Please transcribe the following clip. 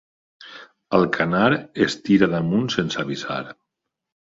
Alcanar es tira damunt sense avisar.